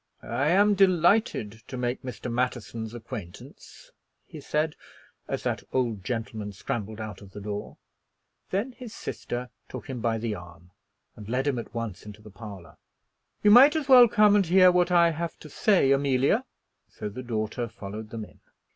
"I am delighted to make Mr. Matterson's acquaintance," he said, as that old gentleman scrambled out of the door. Then his sister took him by the arm and led him at once into the parlor. "You might as well come and hear what I have to say, Amelia." So the daughter followed them in.